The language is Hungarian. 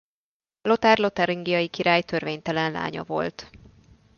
Lothár lotaringiai király törvénytelen lánya volt.